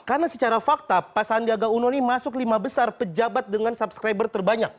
karena secara fakta pas sandiaga uno ini masuk lima besar pejabat dengan subscriber terbanyak